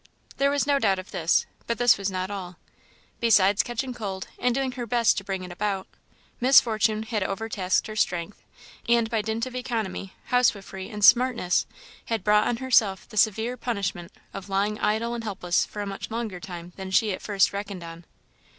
There was no doubt of this; but this was not all. Besides catching cold, and doing her best to bring it about, Miss Fortune had overtasked her strength, and by dint of economy, housewifery, and smartness, had brought on herself the severe punishment of lying idle and helpless for a much longer time than she at first reckoned on.